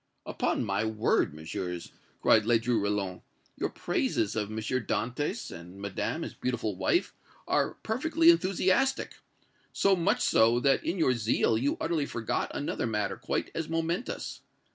"Upon my word, Messieurs," cried Ledru Rollin, "your praises of M. Dantès and Madame, his beautiful wife, are perfectly enthusiastic so much so, that, in your zeal, you utterly forgot another matter quite as momentous.